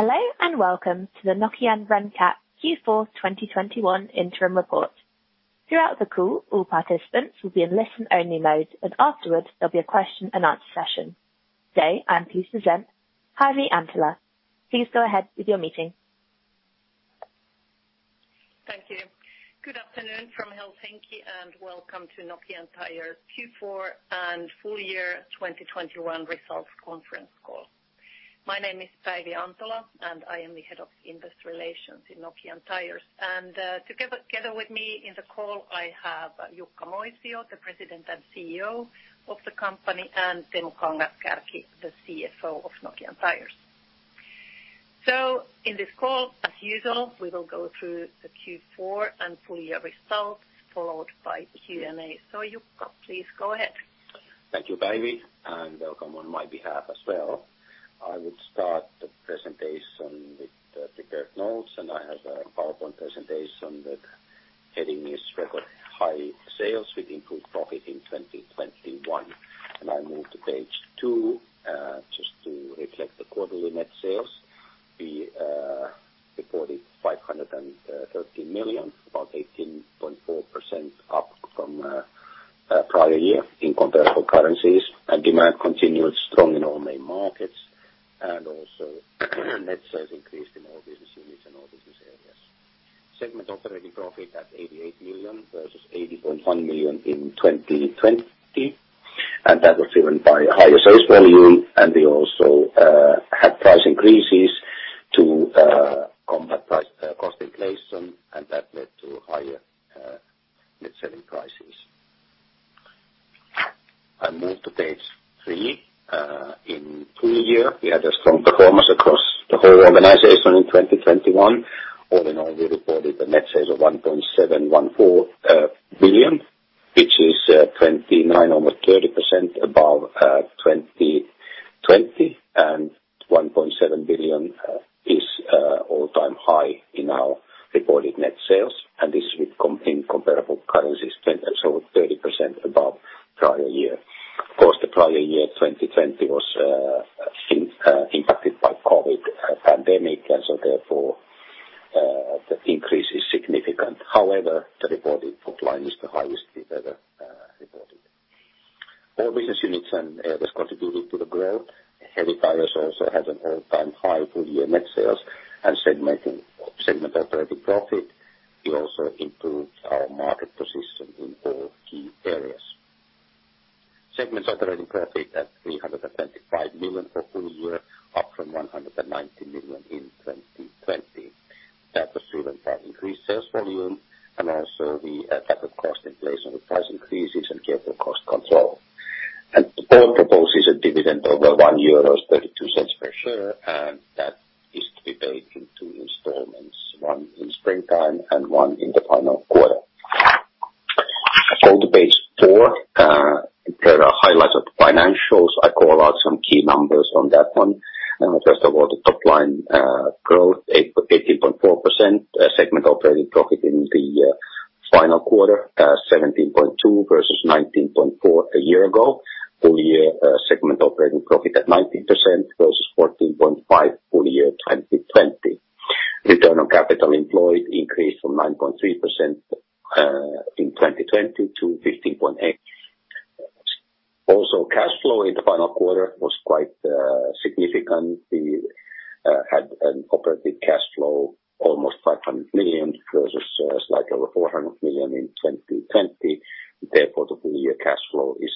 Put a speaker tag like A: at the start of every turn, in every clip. A: Hello and welcome to the Nokian Renkaat Q4 2021 interim report. Throughout the call, all participants will be in listen only mode, and afterwards there'll be a question and answer session.
B: Thank you. Good afternoon from Helsinki and welcome to Nokian Tyres Q4 and full year 2021 results conference call. My name is Päivi Antola and I am the Head of Investor Relations in Nokian Tyres. Together with me in the call I have Jukka Moisio, the President and CEO of the company, and Teemu Kangas-Kärki, the CFO of Nokian Tyres. In this call, as usual, we will go through the Q4 and full year results, followed by Q&A. Jukka, please go ahead.
C: Thank you, Päivi, and welcome on my behalf as well. I would start the presentation with the prepared notes, and I have a PowerPoint presentation. The heading is Record high sales with improved profit in 2021, and I move to page two. Just to reflect the quarterly net sales, we reported 513 million, about 18.4% up from prior year in comparable currencies. Demand continued strong in all main markets and also net sales increased in all business units and all business areas. Segment operating profit at 88 million versus 80.1 million in 2020, and that was driven by higher sales volume. We also had price increases to combat price cost inflation and that led to higher net selling prices. I move to page three. In full year, we had a strong performance across the whole organization in 2021. All in all, we reported net sales of 1.714 billion, which is 29%, almost 30% above 2020 and 1.7 billion is all-time high in our reported net sales and this with constant comparable currencies 10%, so 30% above prior year. Of course, the prior year, 2020 was impacted by COVID-19 pandemic and therefore the increase is significant. However, the reported top line is the highest we've ever reported. All business units and areas contributed to the growth. Heavy Tyres also had an all-time high full year net sales and segment operating profit. We also improved our market position in all key areas. Segment operating profit at 325 million for full year, up from 190 million in 2020. That was driven by increased sales volume and also we had the cost inflation with price increases and careful cost control. The board proposes a dividend of EUR 1.32 per share and that is to be paid in two installments, one in springtime and one in the final quarter. If I go to page four, there are highlights of the financials. I call out some key numbers on that one. First of all, the top line growth 18.4%, segment operating profit in the final quarter 17.2 versus 19.4 a year ago. Full year segment operating profit at 19% versus 14.5 full year 2020. Return on capital employed increased from 9.3% in 2020 to 15.8%. Also, cash flow in the final quarter was quite significant. We had an operating cash flow almost 500 million versus slightly over 400 million in 2020. Therefore, the full year cash flow is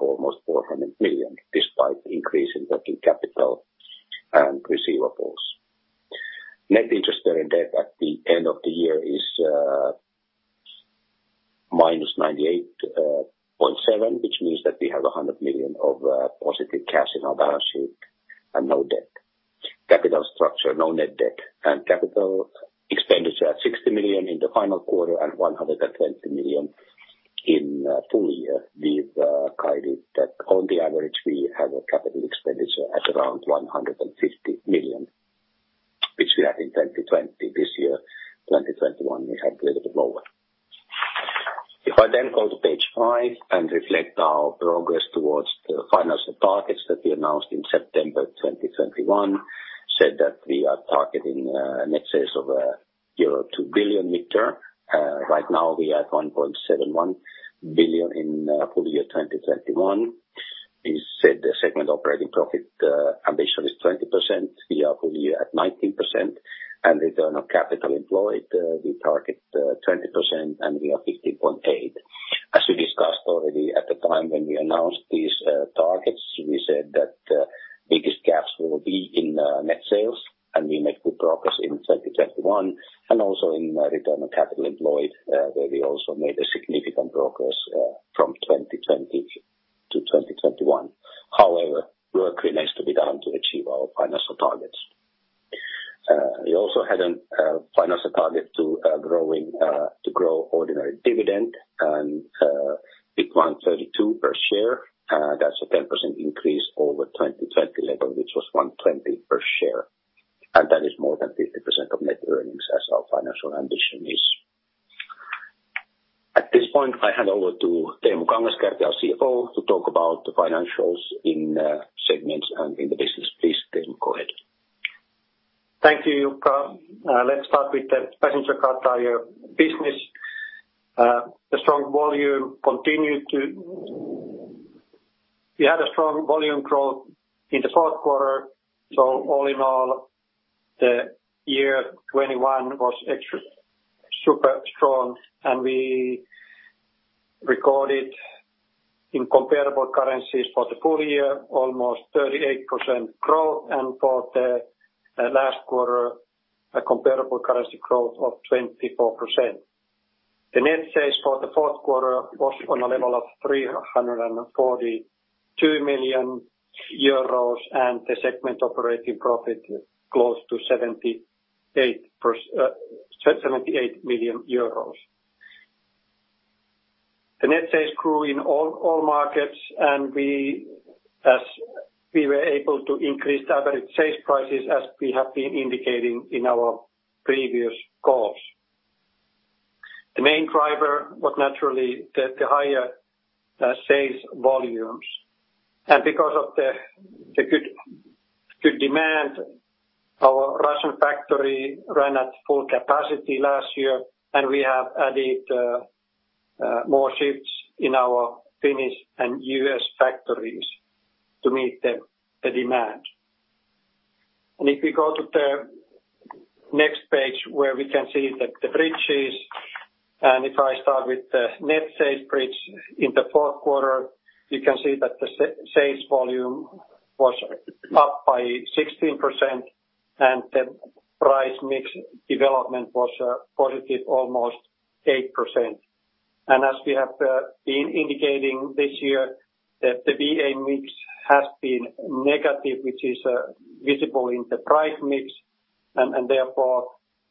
C: almost 400 million, despite the increase in working capital and receivables. Net interest bearing debt at the end of the year is -98.7, which means that we have 100 million of positive cash in our balance sheet and no debt. Capital structure, no net debt and capital expenditure at 60 million in the final quarter and 120 million in full year. We've guided that on the average, we have a capital expenditure at around 150 million, which we had in 2020. This year, 2021, we had a little bit lower. If I then go to page five and reflect our progress towards the financial targets that we announced in September 2021, said that we are targeting net sales of euro 2 billion midterm. Right now we are at 1.71 billion in full year 2021. We said the segment operating profit ambition is 20%. We are full year at 19% and return on capital employed, we target 20% and we are 15.8%. As we discussed already at the time when we announced these targets, we said that biggest gaps will be in net sales and we made good progress in 2021 and also in return on capital employed, where we also made a significant progress from 2020 to 2021. However, work remains to be done to achieve our financial targets. We also had a financial target to grow ordinary dividend and with 1.32 per share, that's a 10% increase over 2020 level, which was 1.20 per share. That is more than 50% of net earnings as our financial ambition is. At this point, I hand over to Teemu Kangas-Kärki, our CFO, to talk about the financials in segments and in the business. Please, Teemu, go ahead.
D: Thank you, Jukka. Let's start with the Passenger Car Tyres business. We had a strong volume growth in the fourth quarter. All in all, the year 2021 was super strong, and we recorded in comparable currencies for the full year, almost 38% growth, and for the last quarter, a comparable currency growth of 24%. The net sales for the fourth quarter was on a level of 342 million euros, and the segment operating profit close to 78 million euros. The net sales grew in all markets, and we, as we were able to increase the average sales prices as we have been indicating in our previous calls. The main driver was naturally the higher sales volumes. Because of the good demand, our Russian factory ran at full capacity last year, and we have added more shifts in our Finnish and U.S. factories to meet the demand. If we go to the next page where we can see the bridges, and if I start with the net sales bridge in the fourth quarter, you can see that the sales volume was up by 16%, and the price mix development was positive almost 8%. As we have been indicating this year, the VA mix has been negative, which is visible in the price mix, and therefore,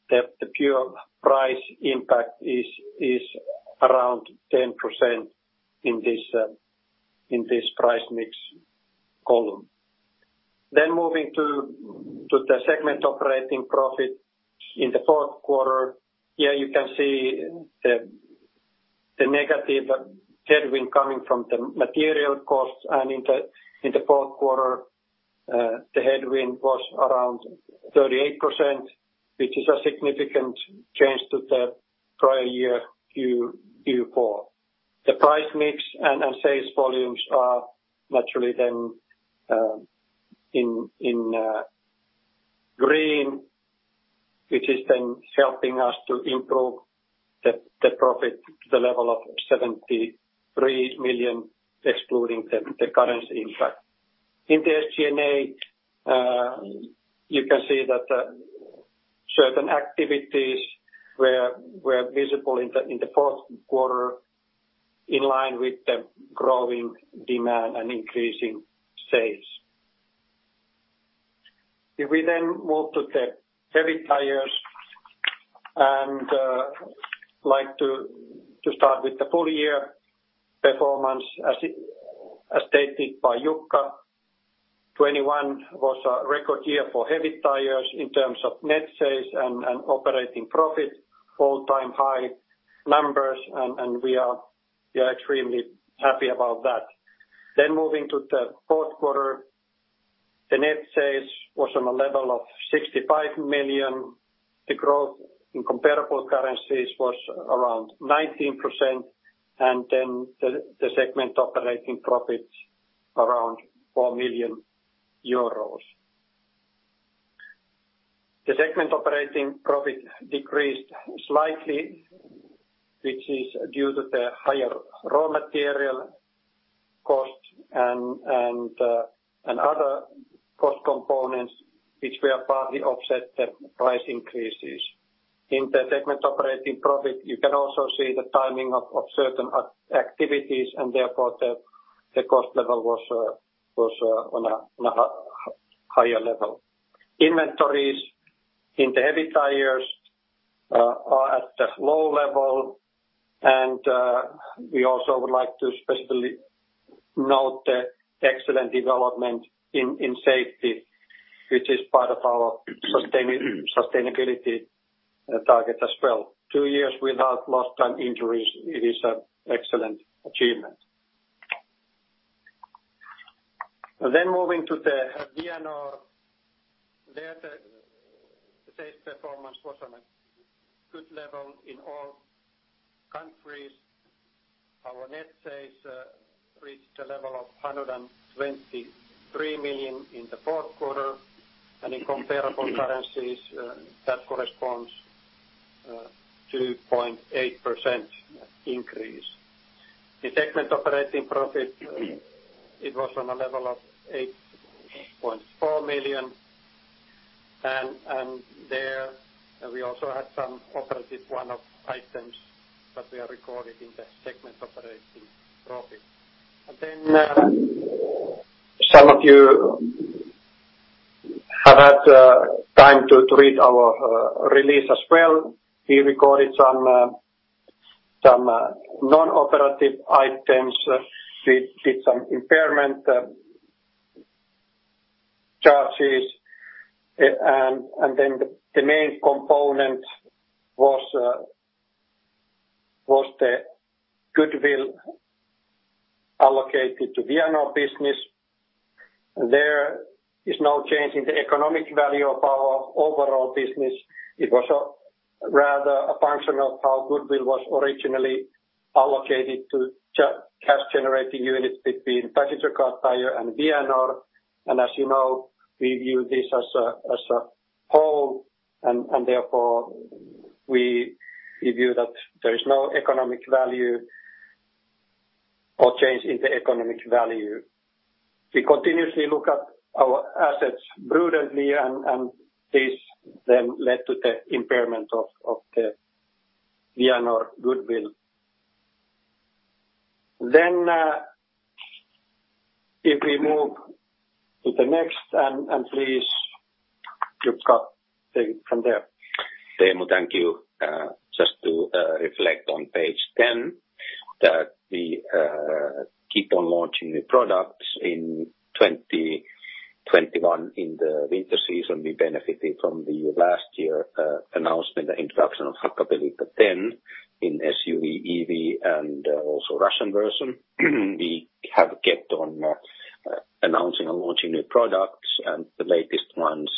D: the pure price impact is around 10% in this price mix column. Moving to the segment operating profit in the fourth quarter, here you can see the negative headwind coming from the material costs, and in the fourth quarter, the headwind was around 38%, which is a significant change to the prior year Q4. The price mix and sales volumes are naturally then in green, which is then helping us to improve the profit to the level of 73 million, excluding the currency impact. In the SG&A, you can see that certain activities were visible in the fourth quarter in line with the growing demand and increasing sales. If we move to the Heavy Tyres, to start with the full year performance, as stated by Jukka, 2021 was a record year for Heavy Tyres in terms of net sales and operating profit, all-time high numbers, and we are extremely happy about that. Moving to the fourth quarter, net sales was on a level of 65 million. The growth in comparable currencies was around 19%, and then the segment operating profits around EUR 4 million. The segment operating profit decreased slightly, which is due to the higher raw material costs and other cost components which were partly offset by the price increases. In the segment operating profit, you can also see the timing of certain activities and therefore the cost level was on a higher level. Inventories in the Heavy Tyres are at a low level, and we also would like to specifically note the excellent development in safety, which is part of our sustainability target as well. Two years without lost time injuries is an excellent achievement. Moving to the Vianor, there the sales performance was on a good level in all countries. Our net sales reached a level of 123 million in the fourth quarter, and in comparable currencies, that corresponds to 0.8% increase. The segment operating profit, it was on a level of 8.4 million, and there we also had some operative one-off items that were recorded in the segment operating profit. Some of you have had time to read our release as well. We recorded some non-operative items. We did some impairment, and then the main component was the goodwill allocated to Vianor business. There is no change in the economic value of our overall business. It was rather a function of how goodwill was originally allocated to cash generating units between Passenger Car Tyres and Vianor. As you know, we view this as a whole, and therefore we review that there is no economic value or change in the economic value. We continuously look at our assets prudently and this then led to the impairment of the Vianor goodwill. If we move to the next and please, Jukka, take from there.
C: Teemu, thank you. Just to reflect on page 10 that we keep on launching new products in 2021 in the winter season. We benefited from the last year announcement, the introduction of Hakkapeliitta 10 in SUV, EV and also Russian version. We have kept on announcing and launching new products, and the latest ones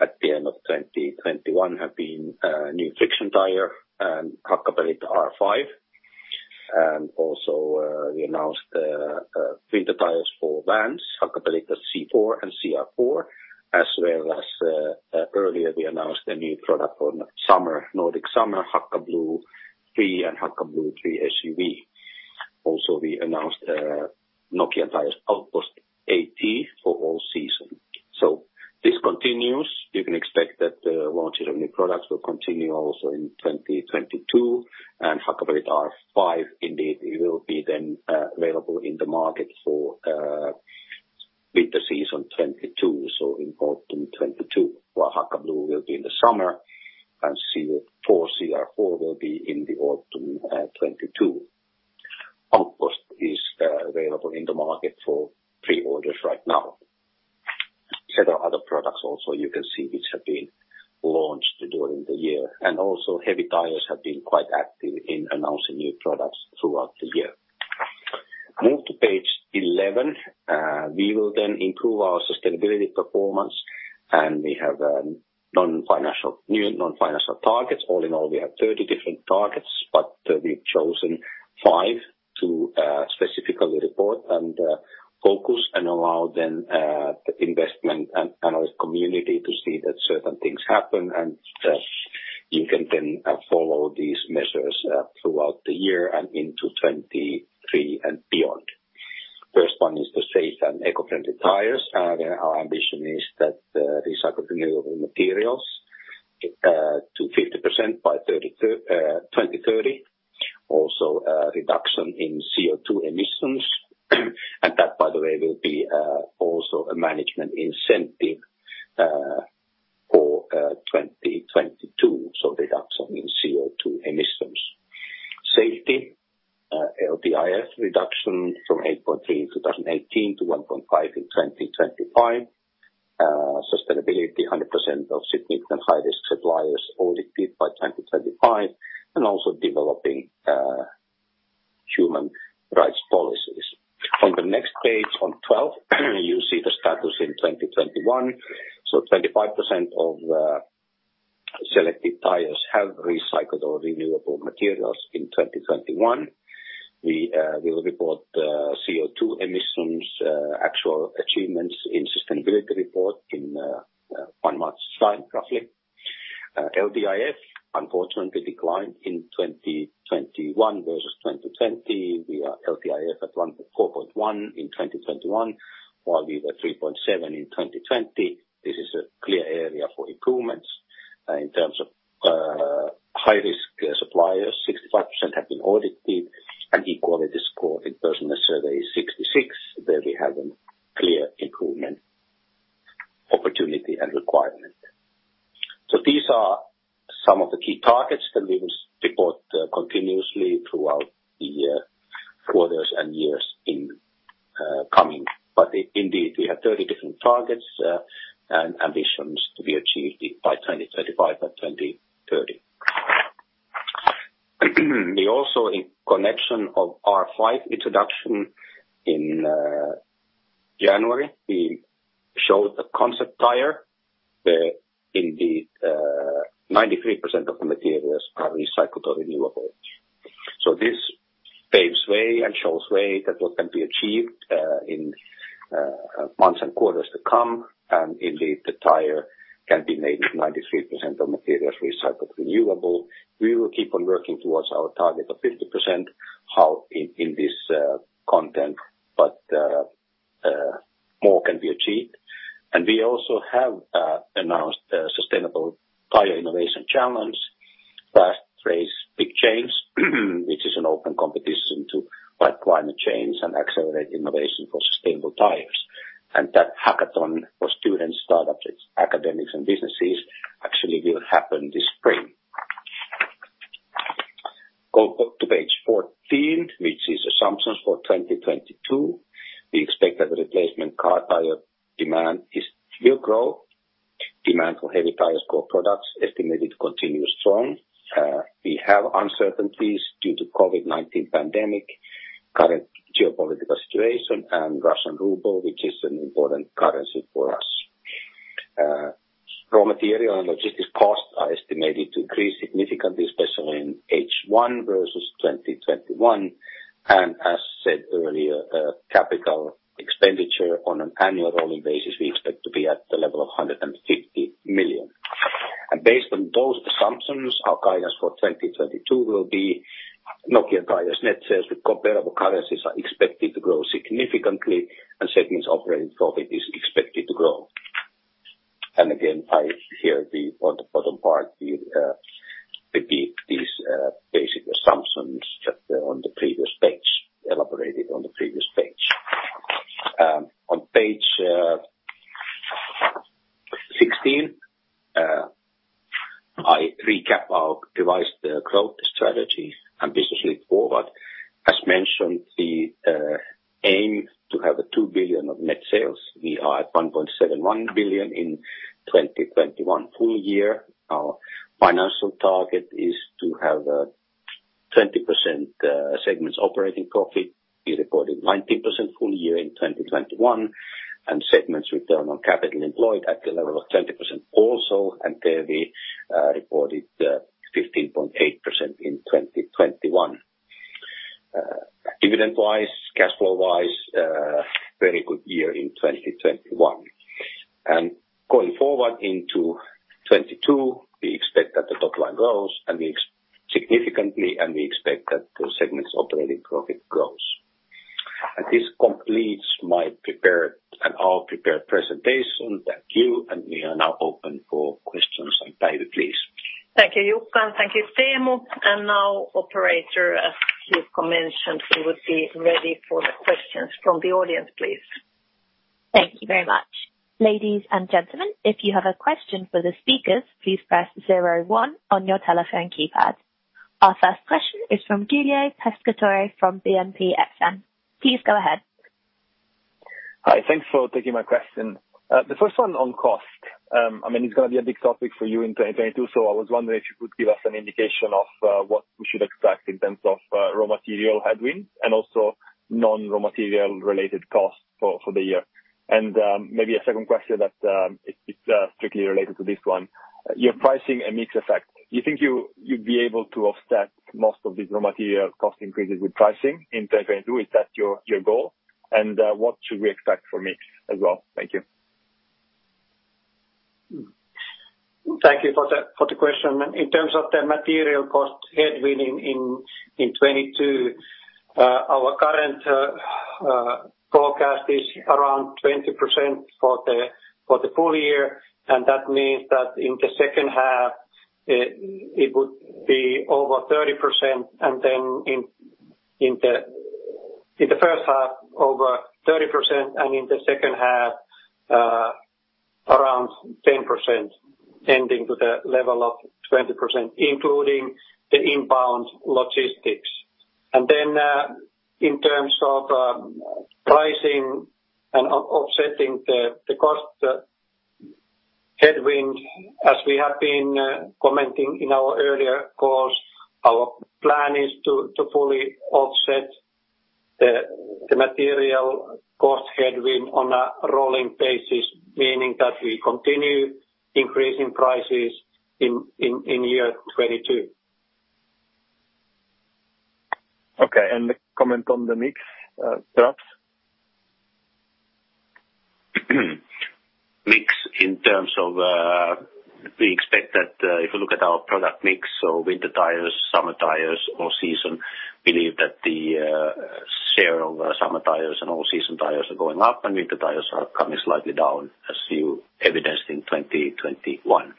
C: at the end of 2021 have been new friction tire, and Hakkapeliitta R5. Also, we announced winter tires for vans, Hakkapeliitta C4 and Hakkapeliitta CR4, as well as earlier we announced a new product for summer, Nordic summer, Hakka Blue 3 and Hakka Blue 3 SUV. Also, we announced Nokian Tyres Outpost AT for all season. This continues. You can expect that the launches of new products will continue also in 2022 and Hakkapeliitta R5 indeed will be then available in the market for winter season 2022, so in autumn 2022, while Hakka Blue will be in the summer and C4, CR4 will be in the autumn 2022. Outpost is available in the market for pre-orders right now. There are other products also you can see which have been launched during the year, and also Heavy Tyres have been quite active in announcing new products throughout the year. Move to page eleven. We will then improve our sustainability performance, and we have non-financial, new non-financial targets. All in all, we have 30 different targets, but we've chosen five to specifically report and focus and allow then the investment and analyst community to see that certain things happen. You can then follow these measures throughout the year and into 2023 and beyond. First one is the safe and eco-friendly tires. There our ambition is that the recycled renewable materials to 50% by 2030. Also a reduction in CO2 emissions. That, by the way, will be also a management incentive for 2022, so reduction in CO2 emissions. Safety, LTIF reduction from 8.3 in 2018 to 1.5 in 2025. Sustainability, 100% of significant high risk suppliers audited by 2025, and also developing human rights policies. On the next page, on 12, you see the status in 2021. So 35% of selected tires have recycled or renewable materials in 2021. We will report CO2 emissions actual achievements in sustainability report in one month's time, roughly. LTIF unfortunately declined in 2021 versus 2020. LTIF was 4.1 in 2021, while it was 3.7 in 2020. This is a clear area for improvements. In terms of high risk suppliers, 65% have been audited. Equality score in personnel survey is 66, there we have a clear improvement opportunity and requirement. These are some of the key targets that we will report continuously throughout the quarters and years in coming. Indeed, we have 30 different targets and ambitions to be achieved by 2025 and 2030. We also in connection of R5 introduction in H1 versus 2021. As said earlier, capital expenditure on an annual rolling basis, we expect to be at the level of 150 million. Based on those assumptions, our guidance for 2022 will be Nokian Tyres' net sales with comparable currencies are expected to grow significantly, and segments operating profit is expected to grow. Again, here on the bottom part, we repeat these basic assumptions that are on the previous page, elaborated on the previous page. On page 16, I recap our revised growth strategy ambitiously forward. As mentioned, the aim to have EUR 2 billion of net sales. We are at 1.71 billion in 2021 full year. Our financial target is to have 20% segment operating profit. We recorded 19% full year in 2021, and segment return on capital employed at the level of 20% also. There we reported 15.8% in 2021. Dividend-wise, cash flow-wise, very good year in 2021. Going forward into 2022, we expect that the top line grows, and we expect that the segment's operating profit grows. This completes my prepared and our prepared presentation. Thank you. We are now open for questions. Päivi, please.
B: Thank you, Jukka, and thank you, Teemu. Now, operator, as you've mentioned, we would be ready for the questions from the audience, please.
A: Thank you very much. Ladies and gentlemen, if you have a question for the speakers, please press zero one on your telephone keypad. Our first question is from Giulio Pescatore, from BNP Paribas Exane. Please go ahead.
E: Hi. Thanks for taking my question. The first one on cost. I mean, it's gonna be a big topic for you in 2022, so I was wondering if you could give us an indication of what we should expect in terms of raw material headwinds and also non-raw material-related costs for the year. Maybe a second question that it's strictly related to this one. Your pricing and mix effect. You think you'd be able to offset most of these raw material cost increases with pricing in 2022? Is that your goal? What should we expect for mix as well? Thank you.
D: Thank you for the question. In terms of the material cost headwind in 2022, our current forecast is around 20% for the full year, and that means that in the second half, it would be over 30% and then in the first half, over 30% and in the second half, around 10%, tending to the level of 20%, including the inbound logistics. In terms of pricing and offsetting the cost headwind, as we have been commenting in our earlier calls, our plan is to fully offset the material cost headwind on a rolling basis, meaning that we continue increasing prices in year 2022.
E: Okay. Comment on the mix, perhaps?
C: Mix in terms of, we expect that if you look at our product mix, so winter tires, summer tires, all season, believe that the share of summer tires and all season tires are going up and winter tires are coming slightly down as you evidenced in 2021.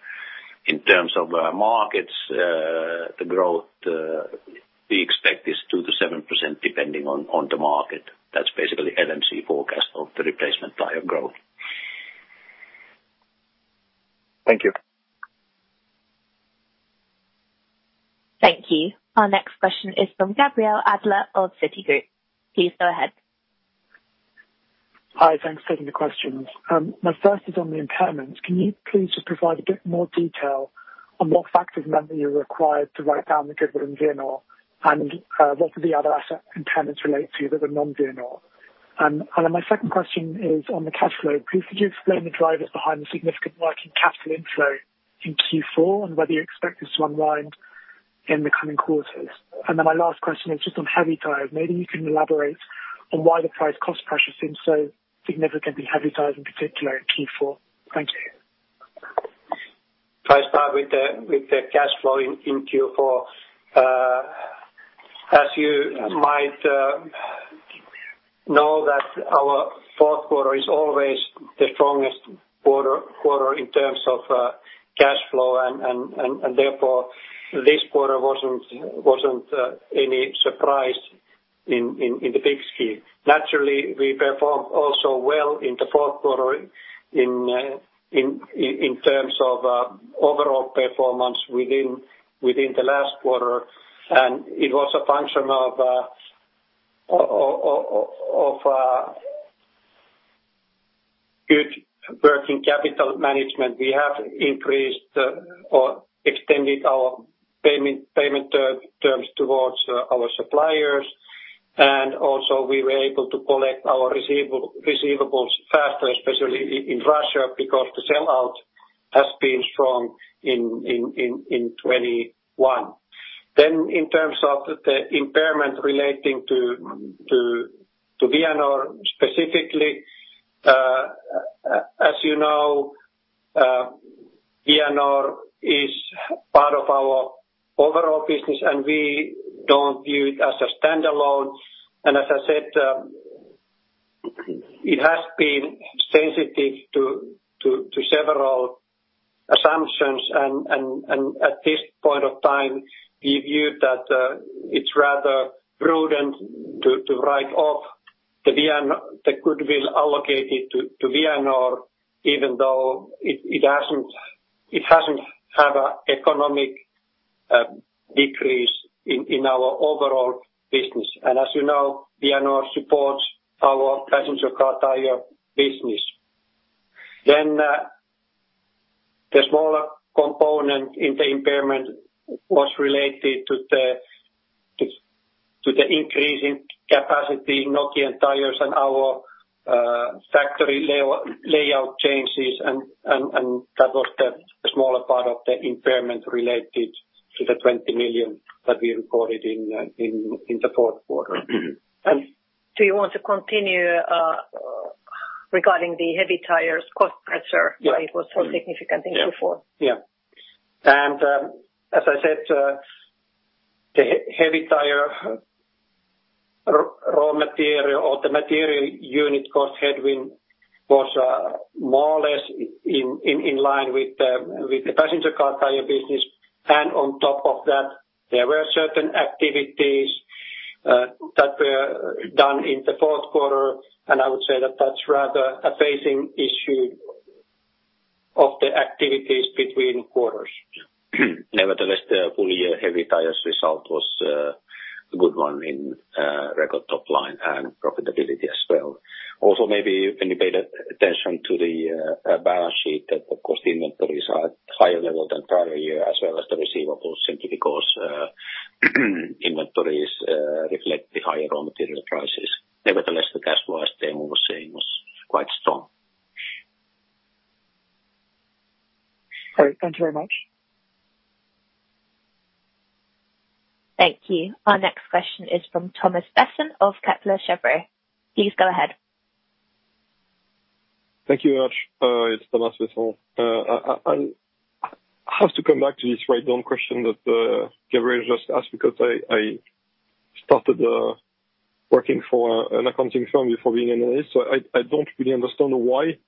C: In terms of markets, the growth we expect is 2%-7% depending on the market. That's basically LMC forecast of the replacement tire growth.
E: Thank you.
A: Thank you. Our next question is from Gabriel Adler of Citigroup. Please go ahead.
F: Hi. Thanks for taking the questions. My first is on the impairments. Can you please just provide a bit more detail on what factors meant that you were required to write down the goodwill in Vianor? What do the other asset impairments relate to that were non-Vianor? My second question is on the cash flow. Please could you explain the drivers behind the significant working capital inflow in Q4 and whether you expect this to unwind in the coming quarters? My last question is just on Heavy Tyres. Maybe you can elaborate on why the price cost pressure seems so significant in Heavy Tyres in particular in Q4. Thank you.
D: If I start with the cash flow in Q4. As you might know that our fourth quarter is always the strongest quarter in terms of cash flow and therefore, this quarter wasn't any surprise in the big scheme. Naturally, we performed also well in the fourth quarter in terms of overall performance within the last quarter. It was a function of good working capital management. We have increased or extended our payment terms towards our suppliers, and also we were able to collect our receivables faster, especially in Russia, because the sell-out has been strong in 2021. In terms of the impairment relating to Vianor specifically, as you know, Vianor is part of our overall business and we don't view it as a standalone. As I said, it has been sensitive to several assumptions and at this point of time, we view that it's rather prudent to write off the goodwill allocated to Vianor, even though it hasn't had an economic decrease in our overall business. As you know, Vianor supports our passenger car tyres business. The smaller component in the impairment was related to the increase in capacity Nokian Tyres and our factory layout changes, and that was the smaller part of the impairment related to the 20 million that we recorded in the fourth quarter.
F: Do you want to continue regarding the Heavy Tyres cost pressure?
D: Yeah.
F: Why it was so significant in Q4.
D: As I said, the Heavy Tyres raw material or the material unit cost headwind was more or less in line with the Passenger Car Tyres business. On top of that, there were certain activities that were done in the fourth quarter, and I would say that that's rather a phasing issue of the activities between quarters.
C: Nevertheless, the full year Heavy Tyres result was a good one in record top line and profitability as well. Also maybe when you paid attention to the balance sheet, of course, the inventories are at higher level than prior year as well as the receivables, simply because inventories reflect the higher raw material prices. Nevertheless, the cash flow, as Teemu was saying, was quite strong.
F: Great. Thank you very much.
A: Thank you. Our next question is from Thomas Besson of Kepler Cheuvreux. Please go ahead.
G: Thank you very much. It's Thomas Besson. I have to come back to this write-down question that Gabriel just asked because I started working for an accounting firm before being an analyst. I don't really understand why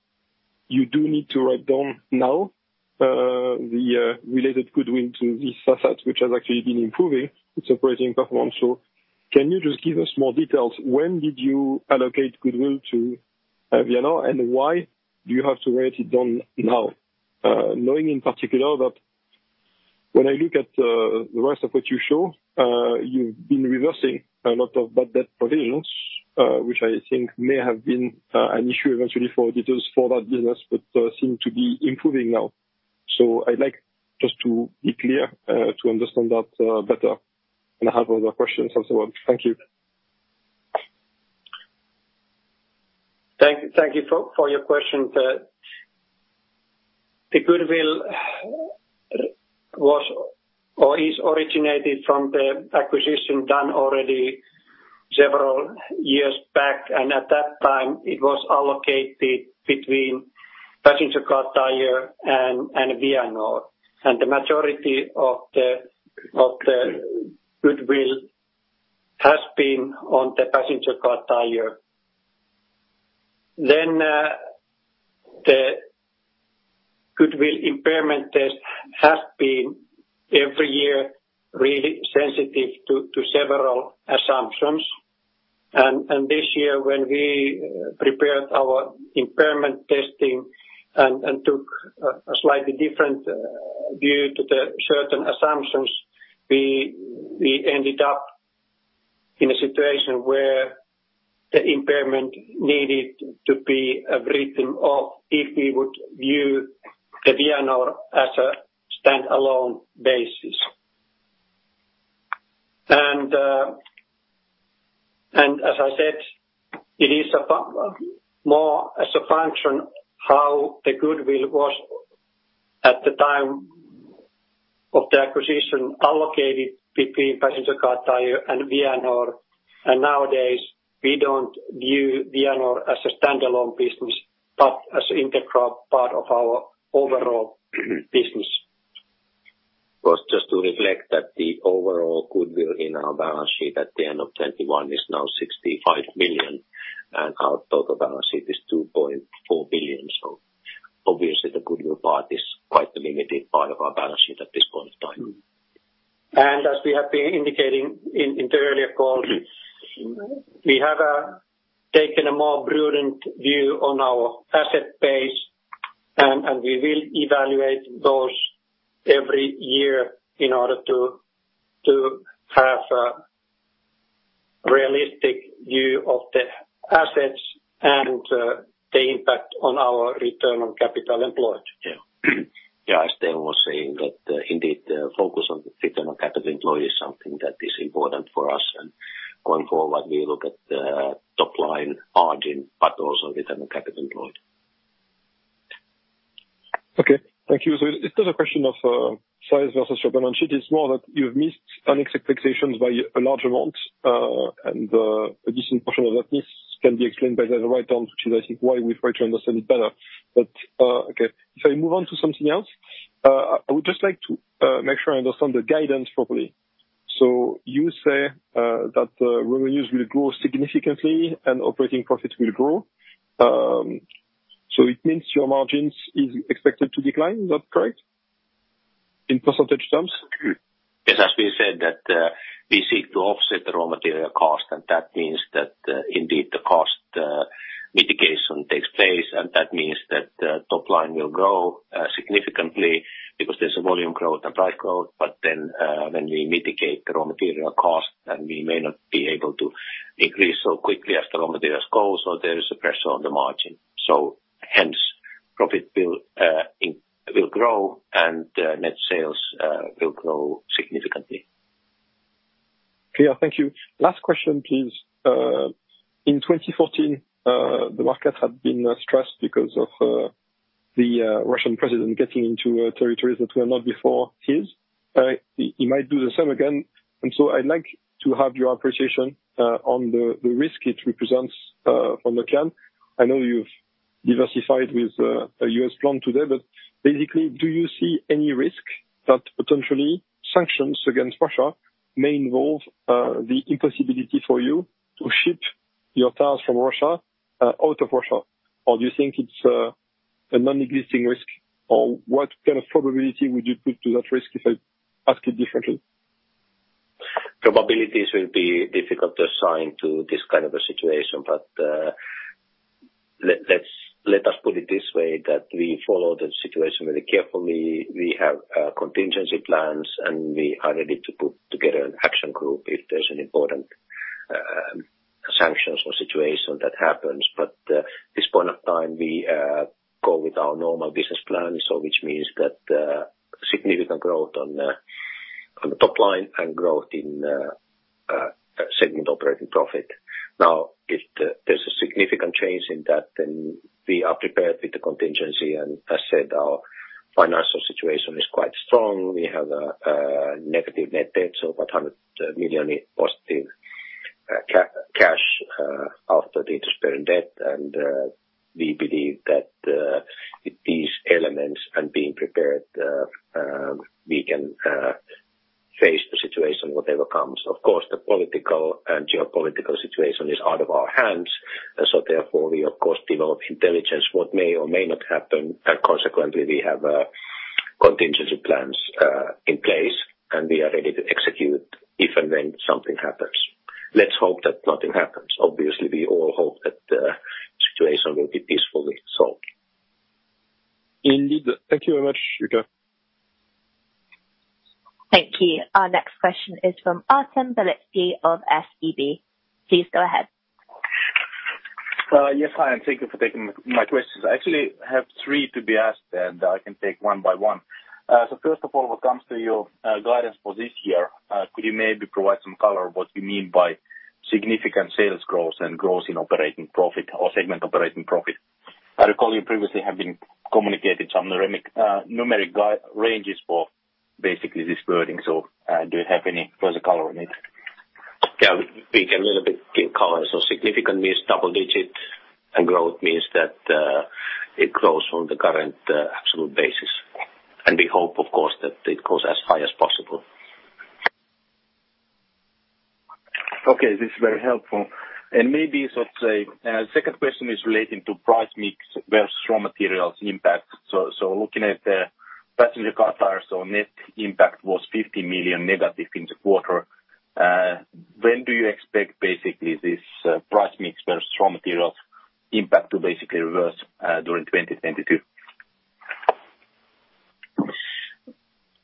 G: you do need to write down now the related goodwill to this asset, which has actually been improving its operating performance. Can you just give us more details? When did you allocate goodwill to Vianor? And why do you have to write it down now? Knowing in particular that when I look at the rest of what you show, you've been reversing a lot of bad debt provisions, which I think may have been an issue eventually for that business, but seem to be improving now. I'd like just to be clear, to understand that, better and have other questions as well. Thank you.
D: Thank you. Thank you for your question. The goodwill was or is originated from the acquisition done already several years back, and at that time, it was allocated between Passenger Car Tire and Vianor. The majority of the goodwill has been on the Passenger Car Tire. The goodwill impairment test has been every year really sensitive to several assumptions. This year when we prepared our impairment testing and took a slightly different view to the certain assumptions, we ended up in a situation where the impairment needed to be written off if we would view the Vianor as a stand-alone basis. As I said, it is more as a function how the goodwill was at the time of the acquisition allocated between Passenger Car Tire and Vianor. Nowadays, we don't view Vianor as a stand-alone business, but as integral part of our overall business.
C: Was just to reflect that the overall goodwill in our balance sheet at the end of 2021 is now 65 million, and our total balance sheet is 2.4 billion. Obviously, the goodwill part is quite a limited part of our balance sheet at this point of time.
D: As we have been indicating in the earlier call, we have taken a more prudent view on our asset base, and we will evaluate those every year in order to have a realistic view of the assets and the impact on our return on capital employed.
C: Yeah, as Teemu was saying that, indeed the focus on the return on capital employed is something that is important for us. Going forward, we look at the top line margin, but also return on capital employed.
G: Okay. Thank you. It is a question of size versus capital on sheet. It's more that you've missed analyst expectations by a large amount, and a decent portion of that miss can be explained by the write-downs which is I think why we try to understand it better. Okay, if I move on to something else, I would just like to make sure I understand the guidance properly. You say that revenues will grow significantly and operating profits will grow. It means your margins is expected to decline, is that correct, in percentage terms?
C: Yes, as we said that, we seek to offset the raw material cost, and that means that indeed the cost mitigation takes place, and that means that the top line will grow significantly because there's a volume growth and price growth. Then, when we mitigate the raw material cost, we may not be able to increase so quickly as the raw materials go, so there is a pressure on the margin. Hence profit will grow and net sales will grow significantly.
G: Clear. Thank you. Last question, please. In 2014, the markets have been stressed because of the Russian president getting into territories that were not before his. He might do the same again, and so I'd like to have your appreciation on the risk it represents on the plan. I know you've diversified with a U.S. plant today, but basically do you see any risk that potentially sanctions against Russia may involve the impossibility for you to ship your tires from Russia out of Russia? Or do you think it's a non-existing risk? Or what kind of probability would you put to that risk, if I ask it differently?
C: Probabilities will be difficult to assign to this kind of a situation. Let's put it this way, that we follow the situation very carefully. We have contingency plans, and we are ready to put together an action group if there's an important sanctions or situation that happens. At this point in time, we go with our normal business plan, so which means that significant growth on the top line and growth in segment operating profit. If there's a significant change in that, then we are prepared with the contingency. As said, our financial situation is quite strong. We have a negative net debt, so 400 million positive cash after the interest-bearing debt. We believe that with these elements and being prepared, we can face the situation, whatever comes. Of course, the political and geopolitical situation is out of our hands, so therefore we of course develop intelligence what may or may not happen, and consequently, we have contingency plans in place, and we are ready to execute if and when something happens. Let's hope that nothing happens. Obviously, we all hope that the situation will be peacefully solved.
G: Indeed. Thank you very much, Jukka.
A: Thank you. Our next question is from Artem Beletski of SEB. Please go ahead.
H: Yes, hi, and thank you for taking my questions. I actually have three to ask, and I can take them one by one. First of all, when it comes to your guidance for this year, could you maybe provide some color what you mean by significant sales growth and growth in operating profit or segment operating profit? I recall you previously have communicated some numeric ranges for basically this wording, so do you have any further color on it?
C: We can a little bit give color. Significant means double-digit, and growth means that it grows from the current absolute basis. We hope, of course, that it goes as high as possible.
H: Okay. This is very helpful. Maybe sort of say, second question is relating to price mix versus raw materials impact. So looking at Passenger Car Tyres' net impact was 50 million negative in the quarter, when do you expect basically this price mix versus raw materials impact to basically reverse during 2022?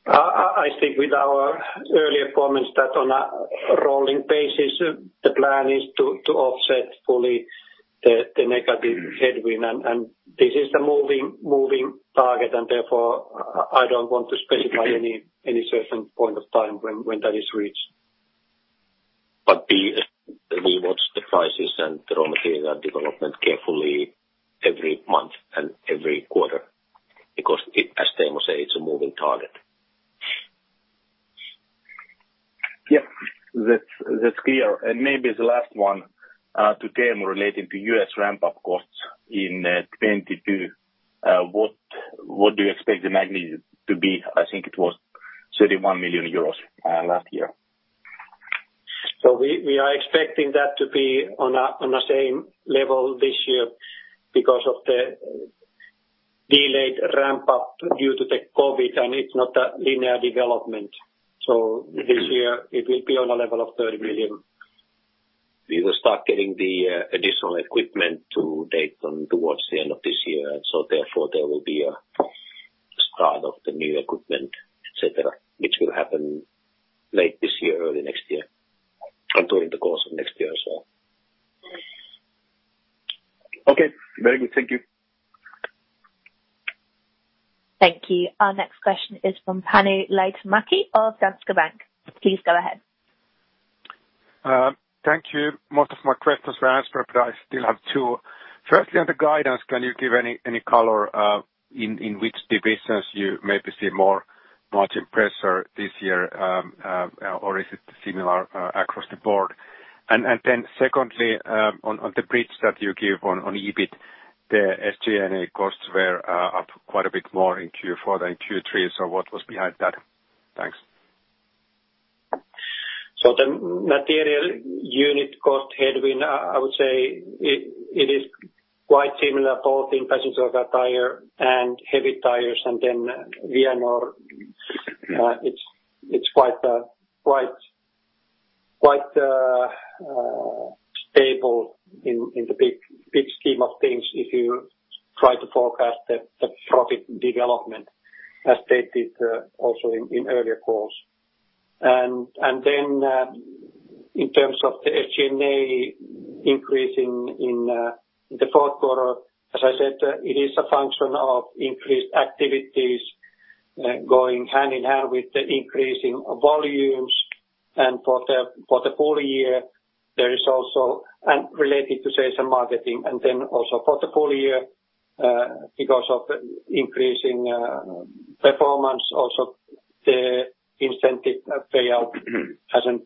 D: I stick with our earlier comments that on a rolling basis, the plan is to offset fully the negative headwind. This is a moving target, and therefore I don't want to specify any certain point of time when that is reached.
C: We watch the prices and raw material development carefully every month and every quarter because as Teemu say, it's a moving target.
H: That's clear. Maybe the last one to Teemu relating to U.S. ramp-up costs in 2022. What do you expect the magnitude to be? I think it was 31 million euros last year.
D: We are expecting that to be on the same level this year because of the delayed ramp up due to the COVID, and it's not a linear development. This year it will be on a level of 30 million.
C: We will start getting the additional equipment to Dayton towards the end of this year. There will be a start of the new equipment, et cetera, which will happen late this year, early next year, and during the course of next year as well.
H: Okay. Very good. Thank you.
A: Thank you. Our next question is from Panu Laitinmäki of Danske Bank. Please go ahead.
I: Thank you. Most of my questions were answered, but I still have two. Firstly, on the guidance, can you give any color in which divisions you maybe see more margin pressure this year, or is it similar across the board? Secondly, on the bridge that you give on EBIT, the SG&A costs were up quite a bit more in Q4 than Q3. What was behind that? Thanks.
D: The material unit cost headwind, I would say it is quite similar both in passenger tire and heavy tires. Vianor, it's quite stable in the big scheme of things if you try to forecast the profit development, as stated also in earlier calls. In terms of the SG&A increase in the fourth quarter, as I said, it is a function of increased activities going hand-in-hand with the increase in volumes. For the full year there is also related to sales and marketing, and then also for the full year, because of increasing performance, also the incentive payout has an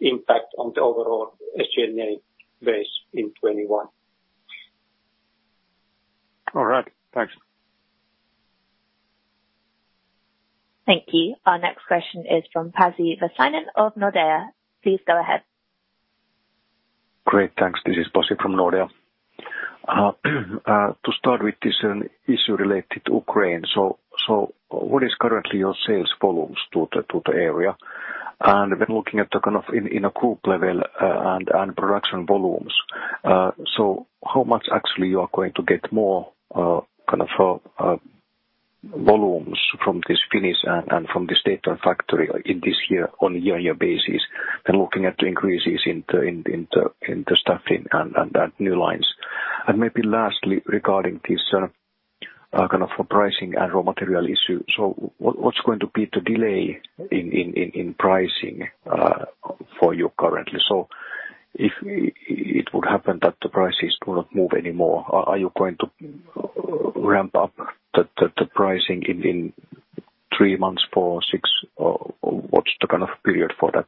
D: impact on the overall SG&A base in 2021.
I: All right. Thanks.
A: Thank you. Our next question is from Pasi Väisänen of Nordea. Please go ahead.
J: Great. Thanks. This is Pasi from Nordea. To start with this issue related to Ukraine. What is currently your sales volumes to the area? When looking at the kind of at a group level and production volumes, how much actually you are going to get more kind of volumes from this Finnish and from this Dayton factory in this year on a year-over-year basis and looking at increases in the staffing and new lines? Maybe lastly, regarding this kind of pricing and raw material issue, what's going to be the delay in pricing for you currently? If it would happen that the prices do not move anymore, are you going to ramp up the pricing in three months, four, six, or what's the kind of period for that?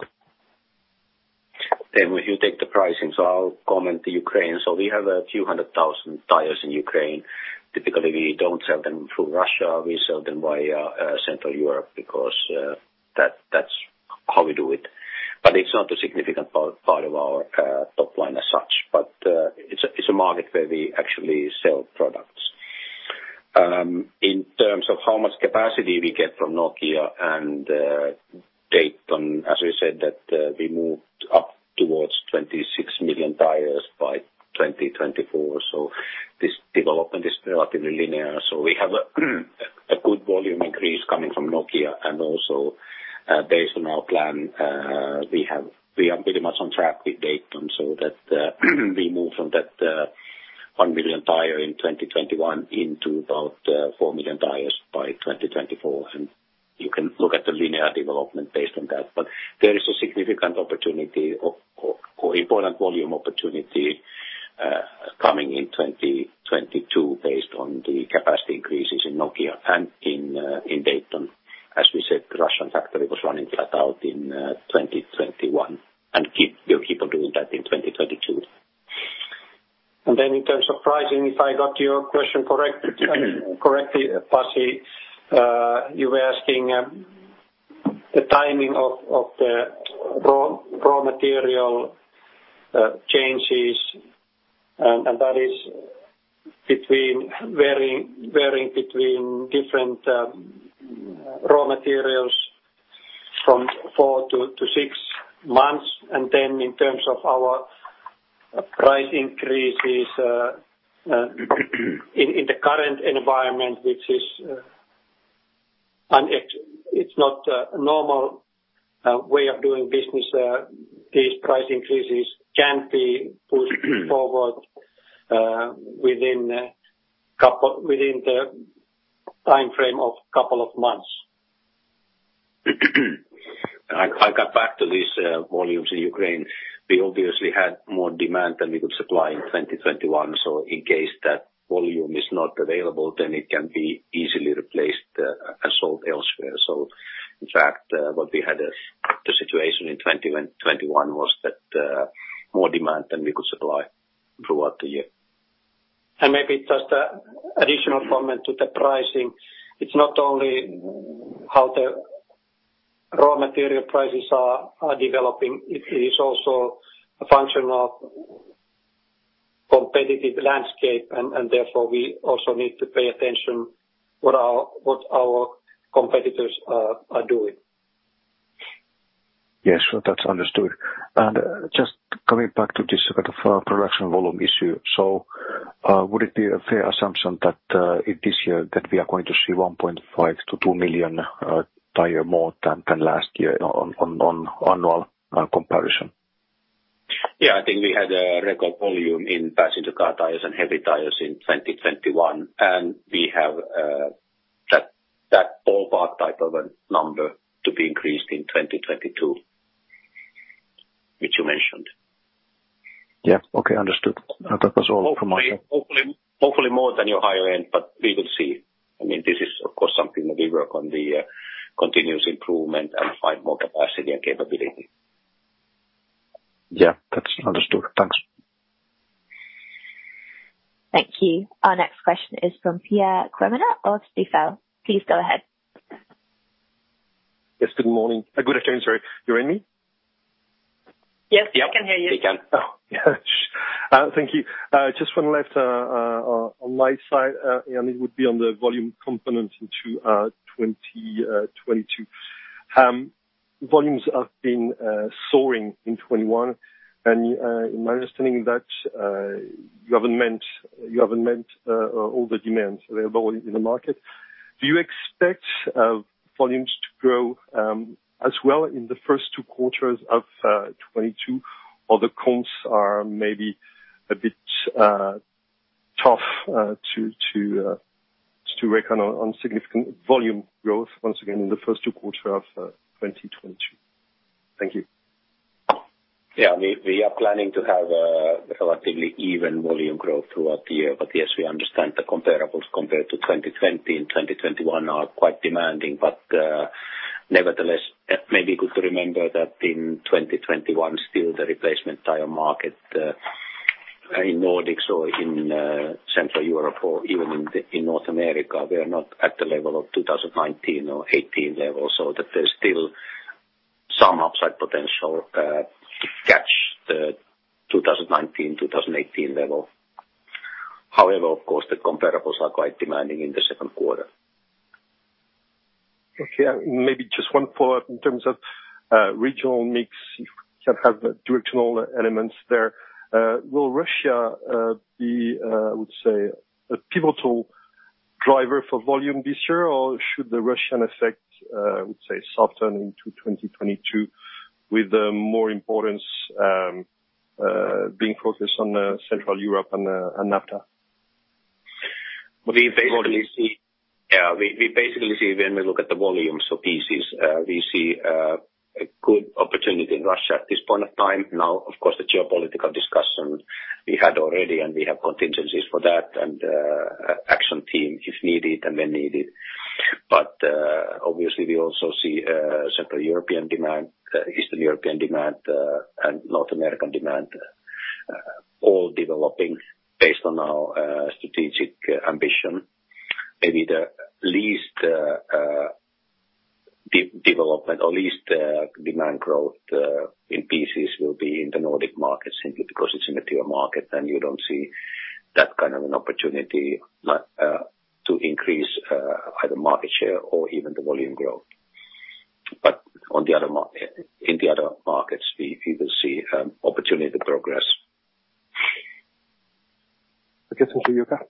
C: If you take the pricing, I'll comment the Ukraine. We have a few hundred thousand tires in Ukraine. Typically, we don't sell them through Russia. We sell them via Central Europe because that's how we do it. But it's not a significant part of our top line as such. But it's a market where we actually sell products. In terms of how much capacity we get from Nokia and Dayton, as we said that we moved up towards 26 million tires by 2024. This development is relatively linear. We have a good volume increase coming from Nokia. Also, based on our plan, we are pretty much on track with Dayton so that we move from that 1 million tires in 2021 into about 4 million tires by 2024. You can look at the linear development based on that. There is a significant opportunity or important volume opportunity coming in 2022 based on the capacity increases in Nokia and in Dayton. As we said, the Russian factory was running flat out in 2021 and will keep on doing that in 2022.
D: In terms of pricing, if I got your question correct, correctly, Pasi, you were asking the timing of the raw material changes, and that is varying between different raw materials from four-six months. In terms of our price increases, in the current environment, which is. It's not a normal way of doing business. These price increases can be pushed forward within the timeframe of couple of months.
C: I come back to these volumes in Ukraine. We obviously had more demand than we could supply in 2021. In case that volume is not available, then it can be easily replaced and sold elsewhere. In fact, what we had as the situation in 2021 was that more demand than we could supply throughout the year.
D: Maybe just an additional comment to the pricing. It's not only how the raw material prices are developing. It is also a function of competitive landscape and therefore we also need to pay attention what our competitors are doing.
J: Yes. That's understood. Just coming back to this sort of production volume issue. Would it be a fair assumption that it is here that we are going to see 1.5-2 million tires more than last year on annual comparison?
C: I think we had a record volume in Passenger Car Tires and Heavy Tires in 2021. We have that ballpark type of a number to be increased in 2022, which you mentioned.
J: Yeah. Okay. Understood. That was all from my side.
C: Hopefully, hopefully more than your higher end, but we will see. I mean, this is of course something that we work on the continuous improvement and find more capacity and capability.
J: Yeah, that's understood. Thanks.
A: Thank you. Our next question is from Pierre-Yves Quemener of Stifel. Please go ahead.
K: Yes, good morning. Good afternoon, sorry. You hear me?
A: Yes, we can hear you.
D: Yeah, we can.
K: Oh, thank you. Just one left on my side, and it would be on the volume component into 2022. Volumes have been soaring in 2021 and, in my understanding that, you haven't met all the demands available in the market. Do you expect volumes to grow as well in the first two quarters of 2022 or the comps are maybe a bit tough to reckon on significant volume growth once again in the first two quarters of 2022? Thank you.
C: Yeah. We are planning to have a relatively even volume growth throughout the year. Yes, we understand the comparables compared to 2020 and 2021 are quite demanding. Nevertheless, maybe good to remember that in 2021, still the replacement tire market in Nordics or in Central Europe or even in North America, we are not at the level of 2019 or 2018 level, so that there's still some upside potential to catch the 2019, 2018 level. However, of course, the comparables are quite demanding in the second quarter.
K: Okay. Maybe just one follow-up in terms of regional mix, if you can have directional elements there. Will Russia be, I would say, a pivotal driver for volume this year, or should the Russian effect, I would say, soften into 2022 with the more importance being focused on Central Europe and NAFTA?
C: We basically see when we look at the volumes or pieces, we see a good opportunity in Russia at this point of time. Now, of course, the geopolitical discussion we had already, and we have contingencies for that and action team if needed and when needed. Obviously we also see Central European demand, Eastern European demand, and North American demand all developing based on our strategic ambition. Maybe the least development or least demand growth in pieces will be in the Nordic market simply because it is a mature market and you do not see that kind of an opportunity to increase either market share or even the volume growth. In the other markets, we will see opportunity to progress.
K: Okay. Thank you, Jukka.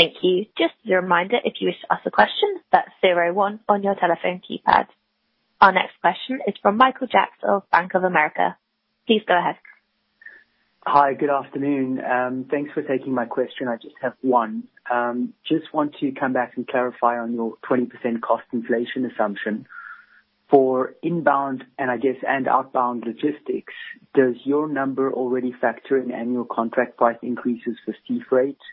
A: Thank you. Just as a reminder, if you wish to ask a question, that's zero one on your telephone keypad. Our next question is from Michael Jacks of Bank of America. Please go ahead.
L: Hi, good afternoon. Thanks for taking my question. I just have one. I just want to come back and clarify on your 20% cost inflation assumption. For inbound and, I guess, outbound logistics, does your number already factor in annual contract price increases for freight rates?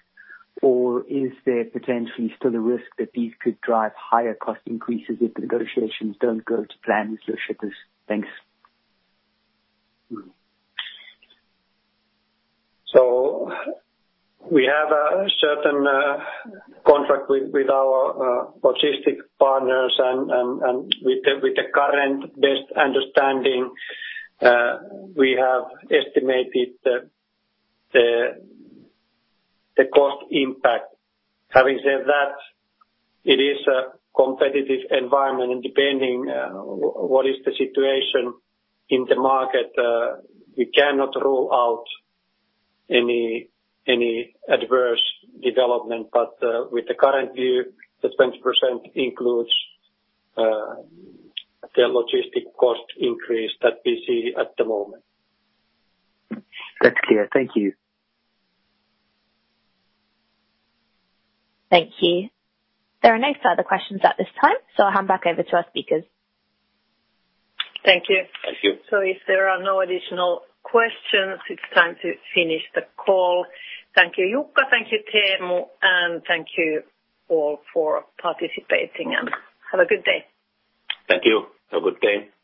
L: Or is there potentially still a risk that these could drive higher cost increases if the negotiations don't go to plan with the shippers? Thanks.
D: We have a certain contract with our logistics partners and with the current best understanding, we have estimated the cost impact. Having said that, it is a competitive environment and depending what is the situation in the market, we cannot rule out any adverse development. With the current view, the 20% includes the logistics cost increase that we see at the moment.
L: That's clear. Thank you.
A: Thank you. There are no further questions at this time, so I'll hand back over to our speakers.
B: Thank you.
C: Thank you.
B: If there are no additional questions, it's time to finish the call. Thank you, Jukka. Thank you, Teemu, and thank you all for participating, and have a good day.
C: Thank you. Have a good day.